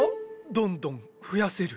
どんどん増やせる。